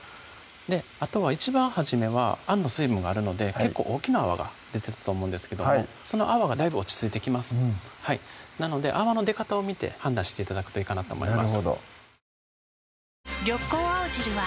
あとは一番初めはあんの水分があるので結構大きな泡が出てると思うんですけどもその泡がだいぶ落ち着いてきますなので泡の出方を見て判断して頂くといいかなと思います